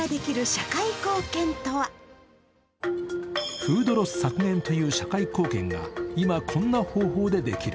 フードロス削減という社会貢献が今、こんな方法でできる。